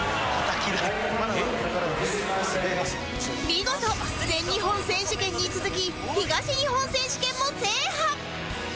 見事全日本選手権に続き東日本選手権も制覇！